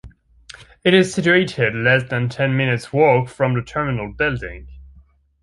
It is situated less than ten minutes walk from the Terminal building.